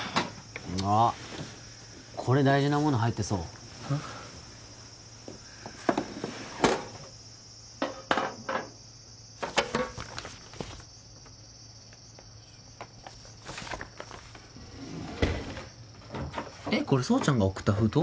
あっこれ大事なもの入ってそうえっこれ蒼ちゃんが送った封筒？